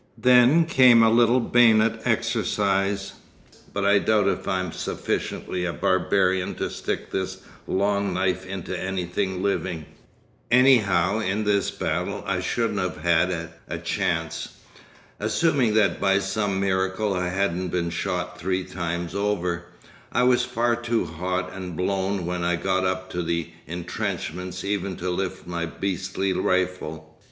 Then came a little bayonet exercise, but I doubt if I am sufficiently a barbarian to stick this long knife into anything living. Anyhow in this battle I shouldn't have had a chance. Assuming that by some miracle I hadn't been shot three times over, I was far too hot and blown when I got up to the entrenchments even to lift my beastly rifle.